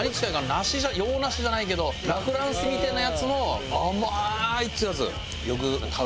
梨洋梨じゃないけどラ・フランスみたいなやつの甘いっていうやつ。